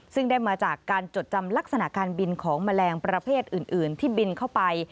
ซึ่งได้มาจากการจดจำลักษณะการบินของแมลงประเภทอื่นที่บินเข้าไป